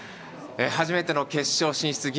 初めての決勝進出